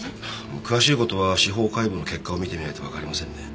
詳しいことは司法解剖の結果を見てみないと分かりませんね。